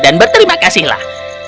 dan berterima kasihlah